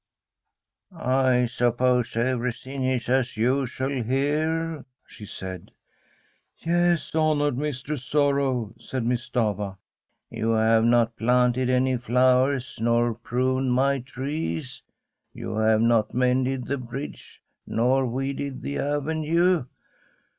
' I suppose everything is as usual here ?' she said. ' Yes, honoured Mistress Sorrow,' said Miss Stafva. ' You have not planted any flowers, nor pruned any trees? You have not mended the bridge, nor weeded the avenue